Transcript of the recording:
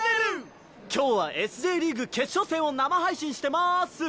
今日はＳ／Ｊリーグ決勝戦を生配信してまーす。